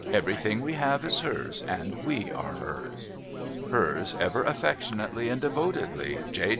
Everything we have is hers, and we are hers.' ' Hers ever affectionately and devotedly J.